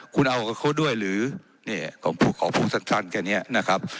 คุณเอากับเขาด้วยหรือเนี่ยของพวกของพวกสัตว์ท่านแค่เนี้ยนะครับ